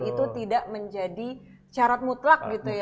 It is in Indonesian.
itu tidak menjadi carot mutlak gitu ya mas ya